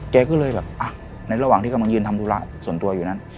แกก็เลยแบบอ่ะในระหว่างที่กำลังยืนทำธุระส่วนตัวอยู่นั้น